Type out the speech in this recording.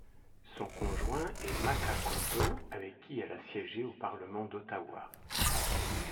Son conjoint est Maka Kotto, avec qui elle a siégé au Parlement d'Ottawa.